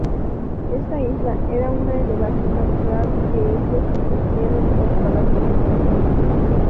Esta isla era una elevación natural que ellos protegieron contra las inundaciones.